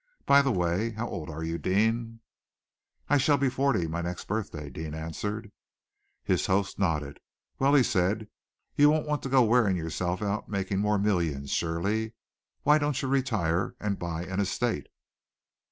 By the way, how old are you, Deane?" "I shall be forty my next birthday," Deane answered. His host nodded. "Well," he said, "you won't want to go wearing yourself out making more millions, surely? Why don't you retire, and buy an estate?"